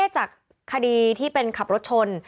จากคดีที่เป็นขับรถชน